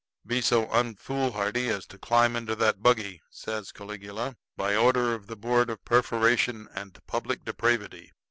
"Be so unfoolhardy as to climb into that buggy," says Caligula, "by order of the board of perforation and public depravity.